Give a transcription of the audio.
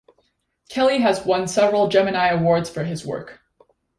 Kelley has won several Gemini Awards for his work.